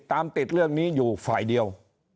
ตามติดเรื่องนี้อยู่ฝ่ายเดียว